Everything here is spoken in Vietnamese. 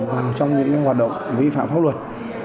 các đối tượng cũng đã hoạt động vi phạm pháp luật